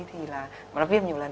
thì là nó viêm nhiều lần